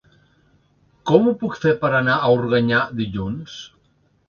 Com ho puc fer per anar a Organyà dilluns?